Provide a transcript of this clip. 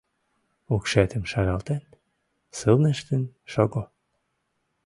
Укшетым шаралтен, сылнештын шого!